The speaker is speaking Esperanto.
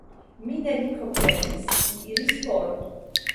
Mi ne lin komprenis, li iris for.